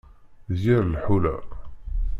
D yir lḥula.